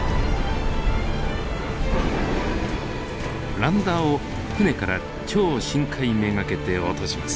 ランダーを船から超深海目がけて落とします。